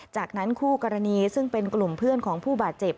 จากนั้นคู่กรณีซึ่งเป็นกลุ่มเพื่อนของผู้บาดเจ็บ